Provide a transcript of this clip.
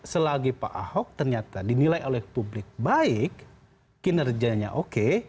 selagi pak ahok ternyata dinilai oleh publik baik kinerjanya oke